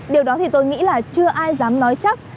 điều đó thì tôi nghĩ là chưa ai dám nói chắc